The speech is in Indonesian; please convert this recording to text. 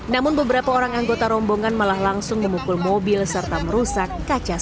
namun beberapa orang anggota rombongan malah langsung memukul mobil serta merusak kaca